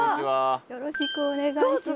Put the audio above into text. よろしくお願いします。